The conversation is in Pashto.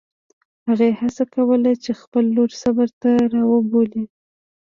هغې هڅه کوله چې خپله لور صبر ته راوبولي.